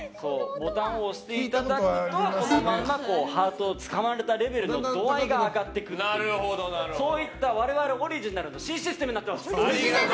ボタンを押していただくとハートをつかまれたレベルの度合いが上がっていくというそういった我々オリジナルの新システムになっています！